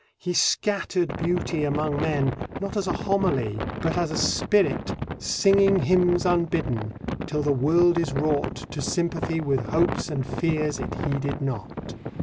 He scattered beauty among men not as a homily but as a spirit Singing hymns unbidden, till the world is wrought To sympathy with hopes and fears it heeded not.